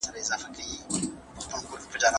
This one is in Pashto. که تېرو پېښو ته وګورو نو عبرت به واخيستل سي.